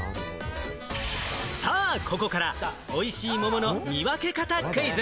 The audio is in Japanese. さあここから美味しい桃の見分け方クイズ！